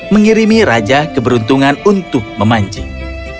mengirimi raja keberuntungan untuk memancing